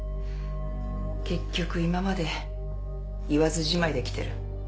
結局今まで言わずじまいできてる。